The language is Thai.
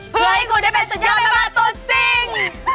เพื่อให้คุณได้เป็นสุดยอดแม่บ้านตัวจริง